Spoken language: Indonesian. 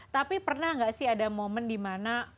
tapi pernah gak sih ada momen dimana